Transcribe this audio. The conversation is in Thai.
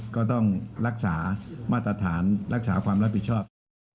ก็ต้องรักษามาตรฐานรักษาความรับผิดชอบ